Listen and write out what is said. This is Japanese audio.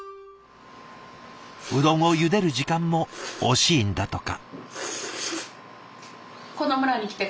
うどんをゆでる時間も惜しいんだとか。